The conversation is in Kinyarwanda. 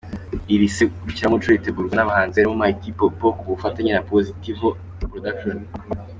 Iri serukiramuco ritegurwa n’abahanzi barimo Mighty Popo ku bufatanye na Positive Production.